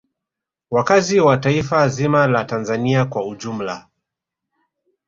Wakazi wa taifa zima la Tanzania kwa ujumla